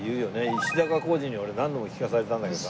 石坂浩二に俺何度も聞かされたんだけど。